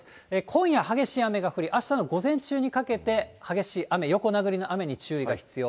今夜、激しい雨が降り、あしたの午前中にかけて激しい雨、横殴りの雨に注意が必要。